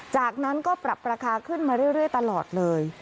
จากนั้นก็ปรับราคาขึ้นมาเรื่อยตลอดเลย